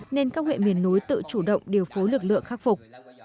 nên các huyện miền núi tự chủ động điều phối lực lượng khắc phục